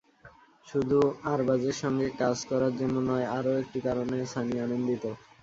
শুধু আরবাজের সঙ্গে কাজ করার জন্য নয়, আরও একটি কারণে সানি আনন্দিত।